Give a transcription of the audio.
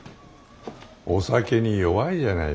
お酒に弱いじゃないですか。